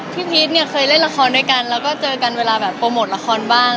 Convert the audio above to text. พีชเนี่ยเคยเล่นละครด้วยกันแล้วก็เจอกันเวลาแบบโปรโมทละครบ้าง